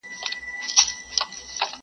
د غمازانو مخ به تور وو اوس به وي او کنه!!